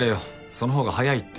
その方が早いって。